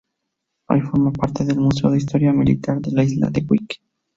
Hoy forma parte del Museo de Historia Militar de la isla de Wight.